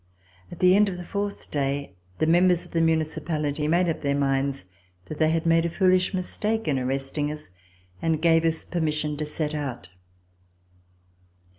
At the end of the fourth day the members of the Municipality made up their minds that they had made a foolish mistake in arresting us and gave us permission to set out.